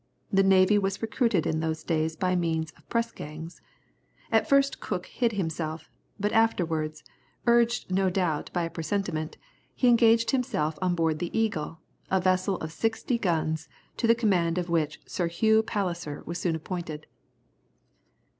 The navy was recruited in those days by means of pressgangs. At first Cook hid himself, but afterwards, urged no doubt by a presentiment, he engaged himself on board the Eagle, a vessel of sixty guns, to the command of which Sir Hugh Palliser was soon appointed.